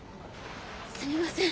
すみません。